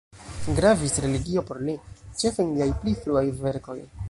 Gravis religio por li, ĉefe en liaj pli fruaj verkoj.